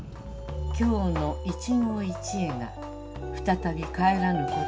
「今日の一期一会が再び帰らぬことを観念する。